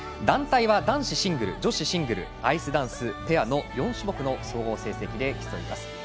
団体は男子シングル、女子シングルアイスダンス、ペアの４種目の総合成績で競います。